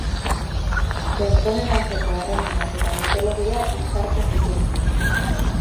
Pertsonen arteko harremanak eta mitologia uztartzen ditu.